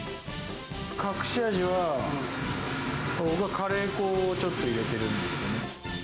隠し味は、カレー粉をちょっと入れてるんですよね。